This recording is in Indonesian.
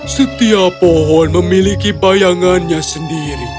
setiap pohon memiliki bayangannya sendiri